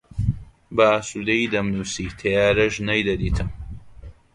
بە ئاسوودەیی دەمنووسی، تەیارەش نەیدەدیتم